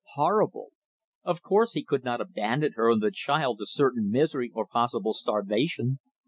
Horrible! Of course he could not abandon her and the child to certain misery or possible starvation.